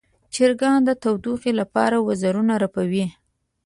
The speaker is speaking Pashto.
چرګان د تودوخې لپاره وزرونه رپوي.